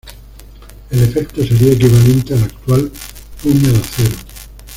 El efecto sería equivalente al actual puño de acero.